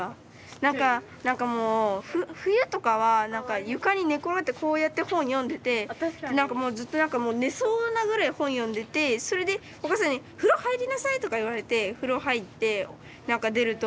何か何かもう冬とかは何か床に寝転がってこうやって本読んでて何かもうずっと何かもう寝そうなぐらい本読んでてそれでお母さんに「風呂入りなさい」とか言われて風呂入って何か出ると。